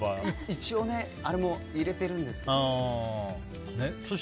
一応、あれも入れているんですけどね。